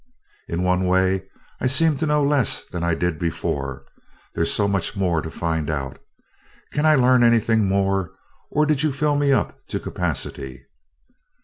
In one way, I seem to know less than I did before, there's so much more to find out. Can I learn anything more, or did you fill me up to capacity?"